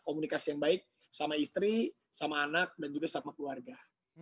komunikasi yang baik sama istri sama anak dan juga sama keluarga